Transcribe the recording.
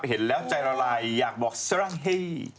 เห็นแล้วใจละลายอยากบอกสรั่งเฮ่